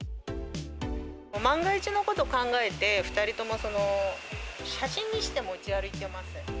万が一のこと考えて、２人とも写真にして持ち歩いています。